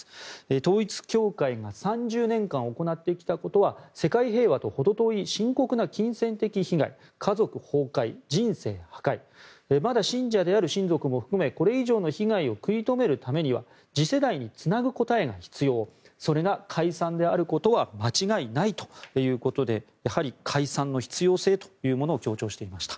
統一教会が３０年間行ってきたことは世界平和とほど遠い深刻な金銭的被害家族崩壊、人生破壊まだ信者である親族も含めこれ以上の被害を食い止めるためには次世代につなぐ答えが必要それが解散であることは間違いないということでやはり解散の必要性というものを強調していました。